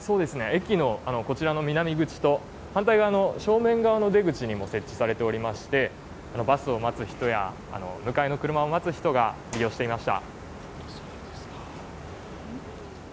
駅のこちらの南口と反対側の正面の出口に設置されていましてバスを待つ人や、迎えの車を待つ人が利用していました。